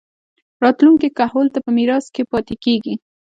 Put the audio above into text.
راتلونکي کهول ته پۀ ميراث کښې پاتې کيږي